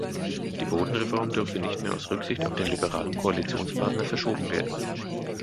Die Bodenreform dürfe nicht mehr aus Rücksicht auf den liberalen Koalitionspartner verschoben werden.